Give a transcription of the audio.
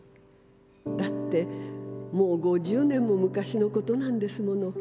だってもう五十年も昔のことなんですもの。